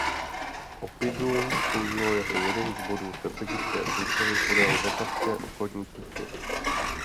Oppidum sloužilo jako jeden z bodů strategické soustavy podél vltavské obchodní cesty.